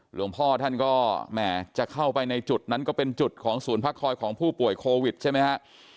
หลวงพ่อท่านก็แหมจะเข้าไปในจุดนั้นก็เป็นจุดของศูนย์พักคอยของผู้ป่วยโควิดใช่ไหมฮะ